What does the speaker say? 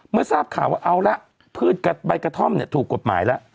เมื่อทราบข่าวว่าเอาล่ะพืชใบกะท่อนถูกกฎหมายล่ะ